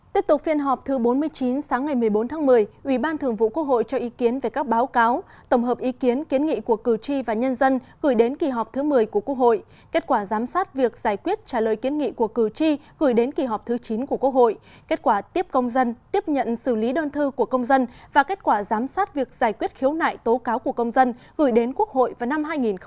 tiếp tục phiên họp thứ bốn mươi chín sáng ngày một mươi bốn tháng một mươi ủy ban thường vụ quốc hội cho ý kiến về các báo cáo tổng hợp ý kiến kiến nghị của cử tri và nhân dân gửi đến kỳ họp thứ một mươi của quốc hội kết quả giám sát việc giải quyết trả lời kiến nghị của cử tri gửi đến kỳ họp thứ chín của quốc hội kết quả tiếp công dân tiếp nhận xử lý đơn thư của công dân và kết quả giám sát việc giải quyết khiếu nại tố cáo của công dân gửi đến quốc hội vào năm hai nghìn hai mươi